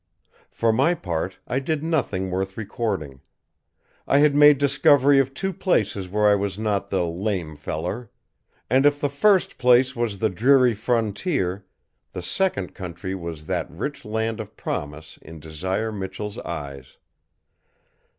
For my part, I did nothing worth recording. I had made discovery of two places where I was not the "lame feller." And if the first place was the dreary Frontier, the second country was that rich Land of Promise in Desire Michell's eyes.